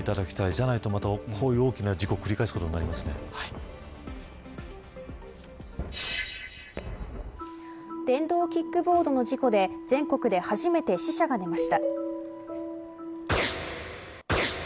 じゃないと、こういう大きな事故電動キックボードの事故で全国で初めて死者が出ました。